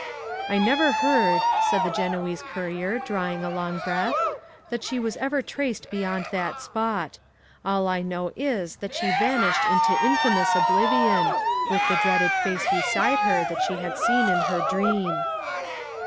I never heard (said the Genoese courier, drawing a long breath) that she was ever traced beyond that spot. All I know is, that she vanished into infamous oblivion, with the dreaded face beside her that she had seen in her dream.